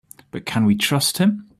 But can we trust him?